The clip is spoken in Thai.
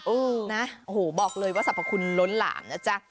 โอ้โหนะโหบอกเลยว่าสรรพคุณล้นหลามนะจ๊ะ